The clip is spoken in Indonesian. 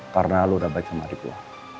karena lo udah baik sama adik gue